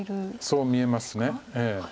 そう見えます。